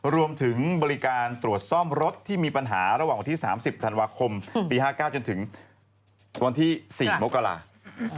รวมถึงบริการตรวจซ่อมรถที่มีปัญหาระหว่างวันที่๓๐ธันวาคมปี๕๙จนถึงวันที่๔มกราคม